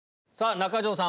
中条さん